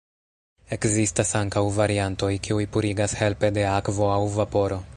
Ekzistas ankaŭ variantoj, kiuj purigas helpe de akvo aŭ vaporo.